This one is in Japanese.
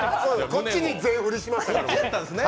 こっちに全振りしましたから。